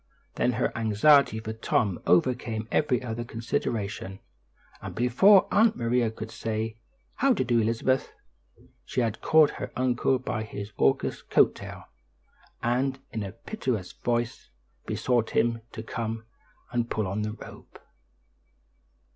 Then her anxiety for Tom overcame every other consideration, and before Aunt Maria could say, "How do you do, Elizabeth?" she had caught her uncle by his august coat tail and in a piteous voice besought him to come and pull on the rope.